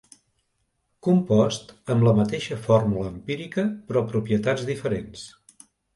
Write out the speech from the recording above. Compost amb la mateixa fórmula empírica però propietats diferents.